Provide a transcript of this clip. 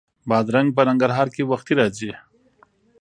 بادرنګ په ننګرهار کې وختي راځي